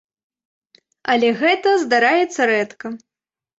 Але гэта здараецца рэдка.